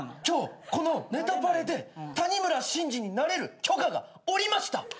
今日この『ネタパレ』で谷村新司になれる許可が下りました。